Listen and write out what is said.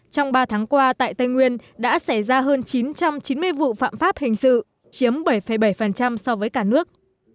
trong ba tháng qua tại tây nguyên đã xảy ra hơn chín trăm chín mươi vụ phạm pháp hình sự chiếm bảy bảy so với cả nước